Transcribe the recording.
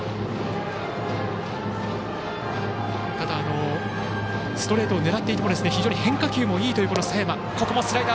ただ、ストレートを狙っていても非常に変化球もいいという佐山。